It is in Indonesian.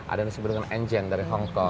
ada yang disebut dengan engine dari hongkong